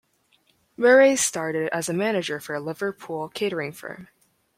Murray started as a manager for a Liverpool catering firm.